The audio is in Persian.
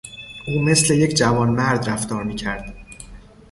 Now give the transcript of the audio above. او مثل یک جوانمرد رفتار میکرد.